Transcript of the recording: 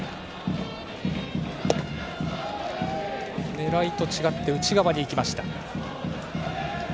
狙いと違って内側に行きました。